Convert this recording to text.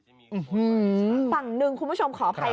อื้อฮือฝั่งนึงคุณผู้ชมขออภัย